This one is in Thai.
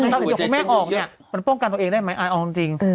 แล้วเดี๋ยวคุณแม่ออกเนี่ยมันป้องกันตัวเองได้ไหมอายเอาจริง